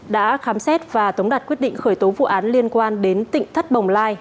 đã khám xét và tống đặt quyết định khởi tố vụ án liên quan đến tỉnh thất bồng lai